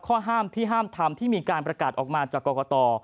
ข้อห้ามที่ห้ามทำที่มีการประกาศออกมาจากกรกต